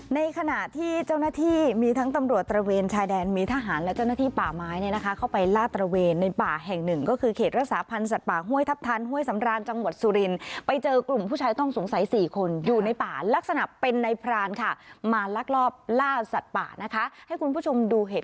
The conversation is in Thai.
ในขณะที่เจ้าหน้าที่มีทั้งตำรวจตระเวนชายแดนมีทหารและเจ้าหน้าที่ป่าไม้เนี่ยนะคะเข้าไปล่าตระเวนในป่าแห่งหนึ่งก็คือเขตรักษาพันธ์สัตว์ป่าห้วยทัพทันห้วยสำราญจังหวัดสุรินไปเจอกลุ่มผู้ชายต้องสงสัยสี่คนอยู่ในป่าลักษณะเป็นในพรานค่ะมาลักลอบล่าสัตว์ป่านะคะให้คุณผู้ชมดูเหตุ